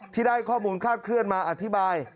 ที่ได้ข้อมูลคาดเคลื่อนมาอธิบาย